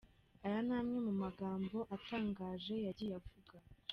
Aya ni amwe mu magambo atangaje yagiye avuga:.